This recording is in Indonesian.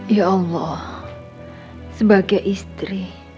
ya allah sebagai istri